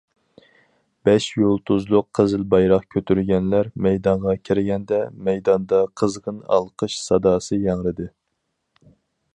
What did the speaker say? بەش يۇلتۇزلۇق قىزىل بايراق كۆتۈرگەنلەر مەيدانغا كىرگەندە، مەيداندا قىزغىن ئالقىش ساداسى ياڭرىدى.